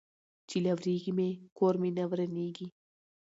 ـ چې لوريږي مې، کور مې نه ورانيږي.